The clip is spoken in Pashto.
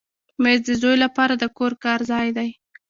مېز د زوی لپاره د کور کار ځای دی.